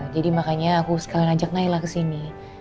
jadi makanya aku sekalian ajak naila ke sini